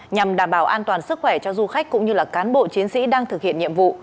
nhằm đảm bảo an toàn sức khỏe cho du khách cũng như cán bộ chiến sĩ đang thực hiện nhiệm vụ